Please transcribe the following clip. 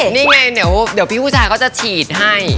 นี่ไงเดี๋ยวพี่ผู้ชายเขาจะฉีดให้